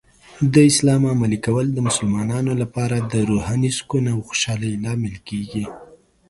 د اسلام عملي کول د مسلمانانو لپاره د روحاني سکون او خوشحالۍ لامل کیږي.